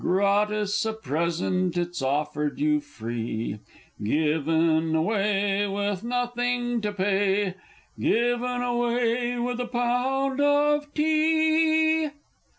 Gratis a present it's offered you free. Given away. With nothing to pay, "Given away [tenderly] with a Pound of Tea!"